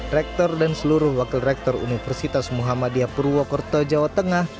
rektor dan seluruh wakil rektor universitas muhammadiyah purwokerto jawa tengah